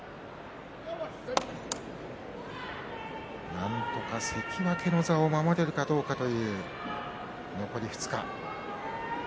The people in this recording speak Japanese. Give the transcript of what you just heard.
なんとか関脇の座を守れるかどうかという残り２日。